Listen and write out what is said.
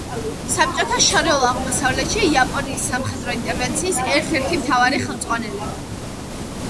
საბჭოთა შორეულ აღმოსავლეთში იაპონიის სამხედრო ინტერვენციის ერთ-ერთი მთავარი ხელმძღვანელი.